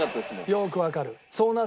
よくわかる。